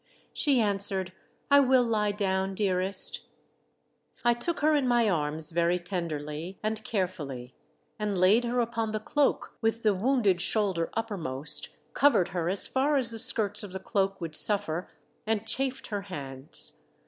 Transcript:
She answered, " 1 will lie down, dearest." 500 THE DEATH SHIP. I took her in my arms very tenderly and carefully, and laid her upon the cloak with the wounded shoulder uppermost, covered her as far as the skirts of the cloak would suffer, and chafed her hands.